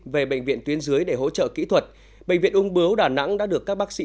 về bệnh viện tuyến dưới để hỗ trợ kỹ thuật bệnh viện ung bướu đà nẵng đã được các bác sĩ